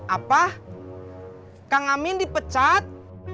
apa kang amin dipecat